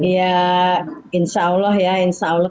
ya insya allah ya insya allah